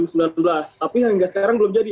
tapi hingga sekarang belum jadi